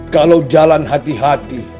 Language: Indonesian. kalau jalan hati hati